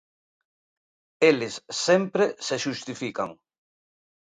Eles sempre se xustifican.